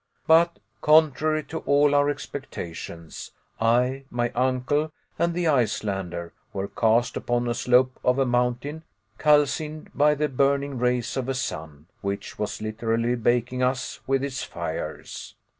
But contrary to all our expectations, I, my uncle, and the Icelander, were cast upon the slope of a mountain calcined by the burning rays of a sun which was literally baking us with its fires.